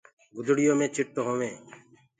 گُدڙيو مي چٽ هووينٚ